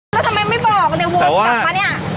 แล้วทำไมไม่บอกเนี่ยวนกลับมาเนี่ย